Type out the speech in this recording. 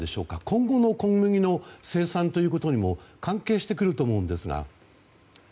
今後の小麦の生産ということにも関係してくると思うんですが。